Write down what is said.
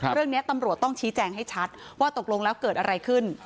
เรื่องนี้ตำรวจต้องชี้แจงให้ชัดว่าตกลงแล้วเกิดอะไรขึ้น